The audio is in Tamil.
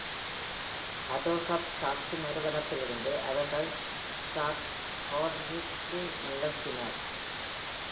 அடோல்ஃப் சாக்ஸின் நிறுவனத்திலிருந்து அவர்கள் சாக்ஹார்ன்ஸில் நிகழ்த்தினர்.